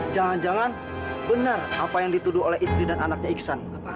jangan jangan benar apa yang dituduh oleh istri dan anaknya iksan